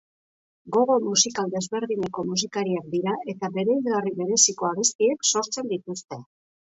Gogo musikal desberdineko musikariak dira eta bereizgarri bereziko abestiak sortzen dituzte.